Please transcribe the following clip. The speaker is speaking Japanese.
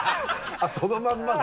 あっそのままだ。